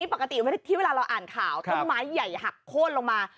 ปกติที่เวลาเราอ่านข่าวต้นไม้ใหญ่หักโค้นลงมา